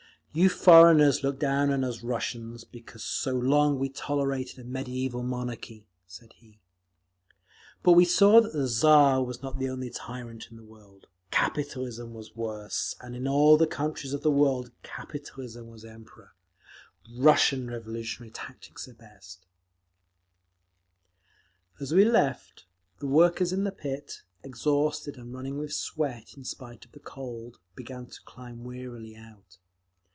"You foreigners look down on us Russians because so long we tolerated a mediæval monarchy," said he. "But we saw that the Tsar was not the only tyrant in the world; capitalism was worse, and in all the countries of the world capitalism was Emperor…. Russian revolutionary tactics are best…." As we left, the workers in the pit, exhausted and running with sweat in spite of the cold, began to climb wearily out.